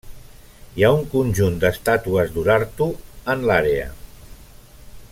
Hi ha un conjunt d'estàtues d'Urartu en l'àrea.